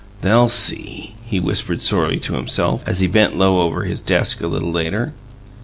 "They'll SEE!" he whispered sorely to himself, as he bent low over his desk, a little later.